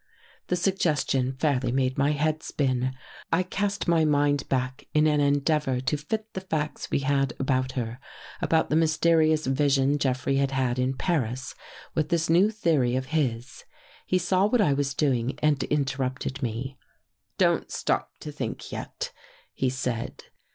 The suggestion fairly made my head spin. I cast my mind back in an endeavor to fit the facts we had about her — about the mysterious vision Jeffrey had had in Paris, with this new theory of his. He saw what I was doing and interrupted me. " Don't stop to think yet," he said.